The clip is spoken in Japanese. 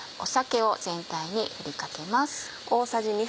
酒を全体に振りかけます。